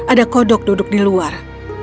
ada kodok duduk di luar